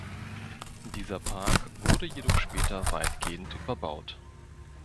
Dieser Park wurde jedoch später weitgehend überbaut.